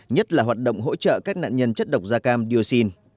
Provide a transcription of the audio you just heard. nhất là hoạt động hỗ trợ các nạn nhân chất độc da cam dioxin